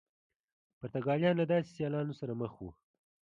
پرتګالیان له داسې سیالانو سره مخ وو.